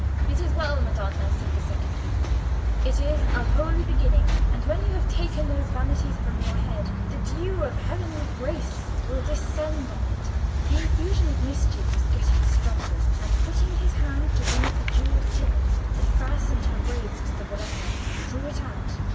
"It is well, madonna," said the second youth. "It is a holy beginning. And when you have taken those vanities from your head, the dew of heavenly grace will descend on it." The infusion of mischief was getting stronger, and putting his hand to one of the jewelled pins that fastened her braids to the berretta, he drew it out.